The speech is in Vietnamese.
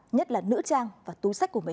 nhất là nữ trang và túi sách của mình